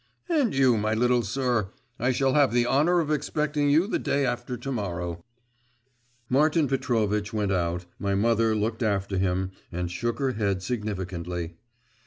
And you, my little sir, I shall have the honour of expecting you the day after to morrow.' Martin Petrovitch went out; my mother looked after him, and shook her head significantly.